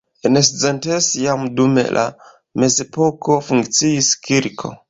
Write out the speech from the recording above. En Szentes jam dum la mezepoko funkciis kirko.